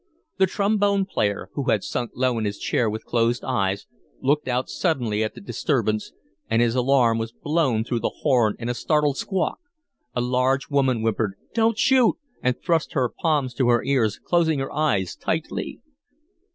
The trombone player, who had sunk low in his chair with closed eyes, looked out suddenly at the disturbance, and his alarm was blown through the horn in a startled squawk. A large woman whimpered, "Don't shoot," and thrust her palms to her ears, closing her eyes tightly.